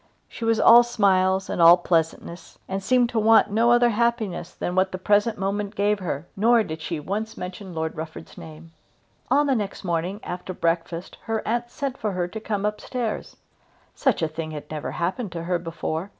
She was all smiles and all pleasantness, and seemed to want no other happiness than what the present moment gave her. Nor did she once mention Lord Rufford's name. On the next morning after breakfast her aunt sent for her to come up stairs. Such a thing had never happened to her before.